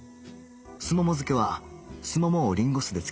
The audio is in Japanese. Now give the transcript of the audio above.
すもも漬けはすももをリンゴ酢で漬けた駄菓子